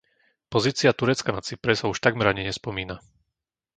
Pozícia Turecka na Cypre sa už takmer ani nespomína.